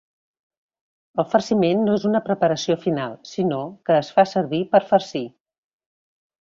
El farciment no és una preparació final sinó que es fa servir per farcir.